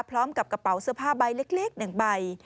พร้อมกับกระเป๋าเสื้อผ้าใบเล็ก๑ใบ